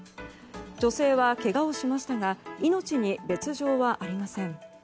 女性はけがをしましたが命に別条はありません。